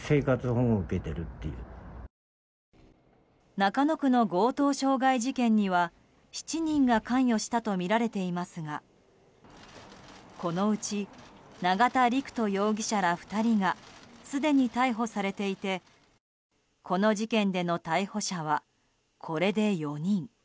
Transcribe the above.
中野区の強盗傷害事件には７人が関与したとみられていますがこのうち永田陸人容疑者ら２人がすでに逮捕されていてこの事件での逮捕者はこれで４人。